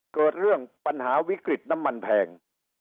เกิดเรื่องปัญหาวิกฤตน้ำมันแพง